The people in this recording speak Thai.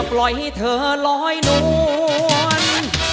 ปล่อยให้เธอลอยนวล